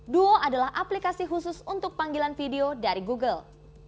duo adalah aplikasi khusus untuk panggilan video dari google